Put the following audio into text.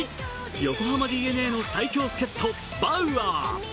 横浜ＤｅＮＡの最強助っと・バウアー。